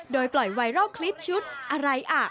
โดยปล่อยไวรัลคลิปชุดอะไรอ่ะ